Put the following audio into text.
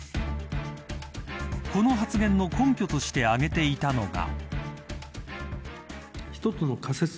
この発言の根拠として挙げていたのが。